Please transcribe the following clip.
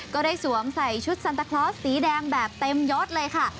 สวมใส่ชุดซันตาคลอสสีแดงแบบเต็มยดเลยค่ะ